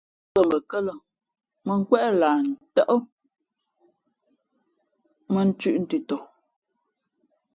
Ngʉnə̌ nzᾱ mbαkάlᾱ mᾱ nkwéʼ lah ntάʼ mᾱnthʉ̄ʼ ntʉntɔ.